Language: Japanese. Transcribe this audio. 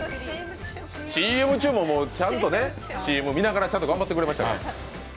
ＣＭ中もちゃんとＣＭ見ながら頑張ってくれましたから。